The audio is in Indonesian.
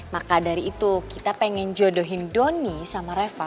maka dari itu kita pengen jodohin doni sama reva